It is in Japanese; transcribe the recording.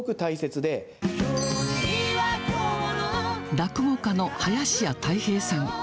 落語家の林家たい平さん。